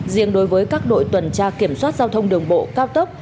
riêng đối với các đội tuần tra kiểm soát giao thông đường bộ cao tốc